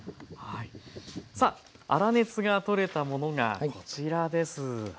さあ粗熱が取れたものがこちらです。